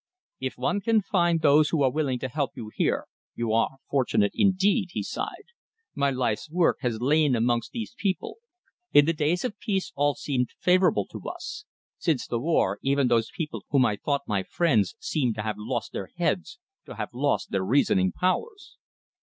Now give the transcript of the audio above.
"If you can find those who are willing to help you here, you are fortunate indeed," he sighed. "My life's work has lain amongst these people. In the days of peace, all seemed favourable to us. Since the war, even those people whom I thought my friends seem to have lost their heads, to have lost their reasoning powers."